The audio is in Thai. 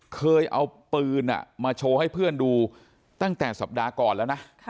เคยเอาปืนมาโชว์ให้เพื่อนดูตั้งแต่สัปดาห์ก่อนแล้วนะ